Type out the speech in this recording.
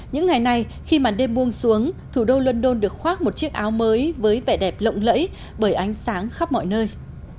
những ngày này khi màn đêm buông xuống thủ đô london được khoác một chiếc áo mới với vẻ đẹp lộng lẫy bởi ánh sáng khắp mọi nơi